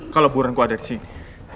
kalau buruanku ada di sini